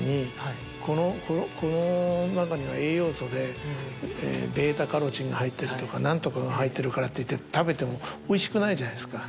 この中には栄養素でベータカロテンが入ってるとか何とかが入ってるからっていって食べてもおいしくないじゃないですか。